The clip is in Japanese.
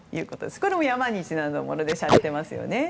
これも山にちなんだものでしゃれてますよね。